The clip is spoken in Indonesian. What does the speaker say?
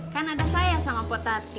kan ada saya sama potati